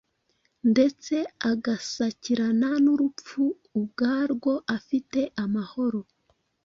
ndetse agasakirana n’urupfu ubwarwo afite amahoro